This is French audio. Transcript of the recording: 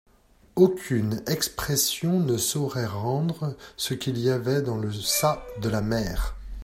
Aucune expression ne saurait rendre ce qu'il y avait dans le ça de la mère.